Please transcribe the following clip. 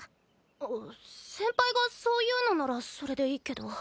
あっ先輩がそう言うのならそれでいいけど。